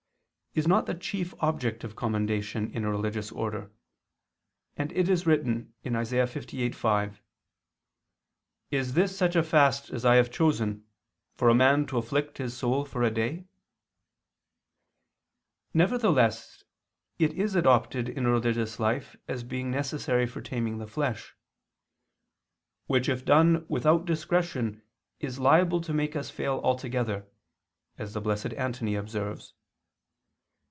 ii, 2), is not the chief object of commendation in a religious order; and it is written (Isa. 58:5): "Is this such a fast as I have chosen, for a man to afflict his soul for a day?" Nevertheless it is adopted in religious life as being necessary for taming the flesh, "which if done without discretion, is liable to make us fail altogether," as the Blessed Antony observes.